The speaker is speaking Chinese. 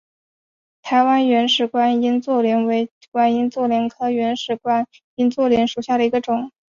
台湾原始观音座莲为观音座莲科原始观音座莲属下的一个种。